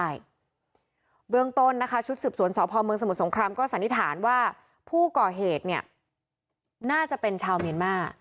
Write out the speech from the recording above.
จรวิราชดสุดส่วนสมสมก็สันนิษฐานว่าผู้ก่อเหตุน่าจะเป็นชาวเมมา